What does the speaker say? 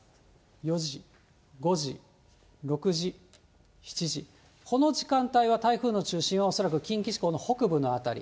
４時、５時、６時、７時、この時間帯は台風の中心は恐らく近畿地方の北部の辺り。